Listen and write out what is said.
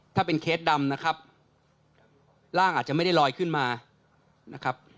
ถ้าเป็นเคสดำนะครับร่างอาจจะไม่ได้ลอยขึ้นมานะครับ